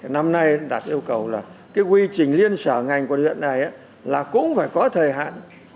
năm nay đặt yêu cầu là cái quy trình liên sở ngành của huyện này là cũng phải có thời hạn